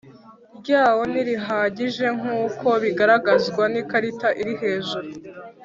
ryawo ntirihagije nk uko bigaragazwa n ikarita iri hejuru